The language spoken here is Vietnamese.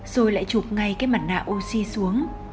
rồi lại chụp ngay cái mặt nạ oxy xuống